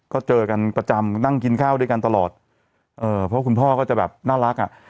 ก็เจอกันประจำนั่งกินข้าวด้วยกันตลอดเออเพราะคุณพ่อก็จะแบบน่ารักอ่ะ